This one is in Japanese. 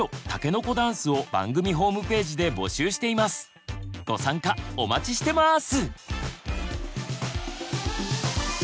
番組ではご参加お待ちしてます！